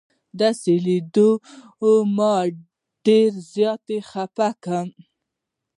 داسې لیدل ما ډېر زیات خفه کړم.